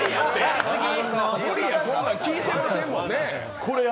そんなん聞いてませんもんね。